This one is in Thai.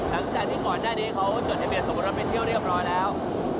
หลังจากที่ก่อนได้ดีเขาเจอทะเบียดสมบัติไปเที่ยวเรียบร้อยแล้ว